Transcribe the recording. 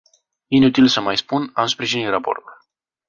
Inutil să mai spun, am sprijinit raportul.